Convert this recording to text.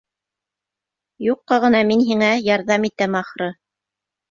Юҡҡа ғына мин һиңә ярҙам итәм, ахыры.